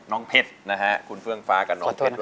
น้องเพชนะฮะคุณเฟืองฟ้ากับน้องเพช